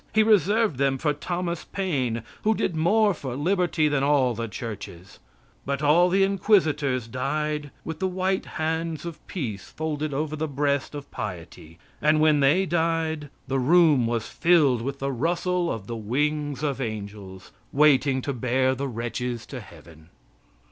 He reserved them for Thomas Paine, who did more for liberty than all the churches. But all the inquisitors died with the white hands of peace folded over the breast of piety. And when they died, the room was filled with the rustle of the wings of angels, waiting to bear the wretches to Heaven.